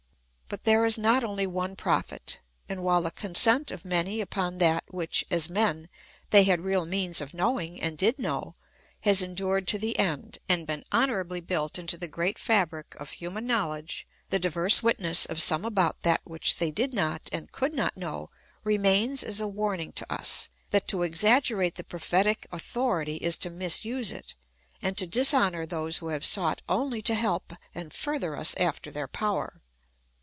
But there is not only one Prophet ; and while the consent of many upon that which, as men, they had real means of knowing and did know, has endured to the end, and been honourably built into the great fabric of human knowledge, the diverse witness of some about that which they did not and could not know remains as a warning to us that to exaggerate the prophetic authority is to misuse it, and to dishonour those who have sought only to help and further us after their power.